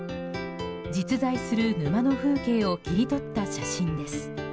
実在する沼の風景を切り取った写真です。